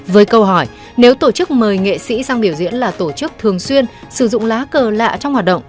với câu hỏi nếu tổ chức mời nghệ sĩ sang biểu diễn là tổ chức thường xuyên sử dụng lá cờ lạ trong hoạt động